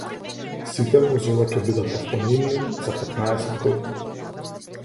Сите возила ќе бидат автономни за петнаесет години.